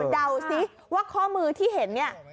ซิว่าข้อมือที่เห็นเนี่ย